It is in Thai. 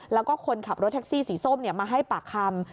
แล้วก็คนขับรถแท็กซี่สีส้มมาให้ปากคำ